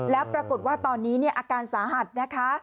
แล้วปรากฏว่าตอนนี้อาการสาหัสนะคะ